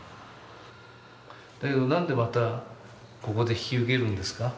だけど、何でまた、ここで引き受けるんですか？